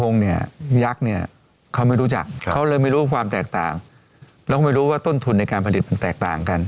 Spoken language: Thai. ยักษ์เนี่ยเขาไม่รู้จักเขาเลยไม่รู้ความแตกต่างเราก็ไม่รู้ว่าต้นทุนในการผลิตมันแตกต่างกัน